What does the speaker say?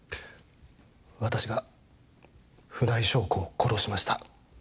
私が船井翔子を殺しました。